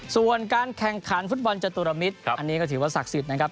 ส่วนการแข่งขันฟุตบอลจตุรมิตรอันนี้ก็ถือว่าศักดิ์สิทธิ์นะครับ